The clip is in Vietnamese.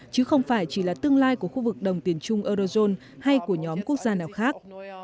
chứ không phải chỉ là tương lai của khu vực đồng tiền chung eurozone hay của nhóm quốc gia nào khác